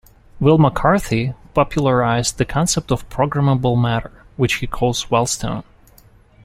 Wil McCarthy popularized the concept of programmable matter, which he calls "wellstone".